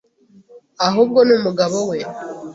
ahubwo ni umugabo we.